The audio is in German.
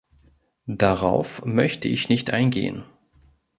Darauf möchte ich nicht eingehen.